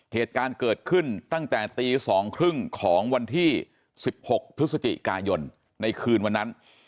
เหตุการณ์เกิดขึ้นตั้งแต่ตี๒๓๐ของวันที่๑๖พฤศจิกายนในคืนวันนั้น